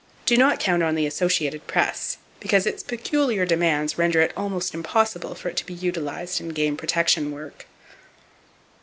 Do not count on the Associated Press; because its peculiar demands render it almost impossible for it to be utilized in game protection work.